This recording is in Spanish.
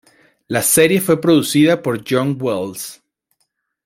La serie fue producida por John Wells.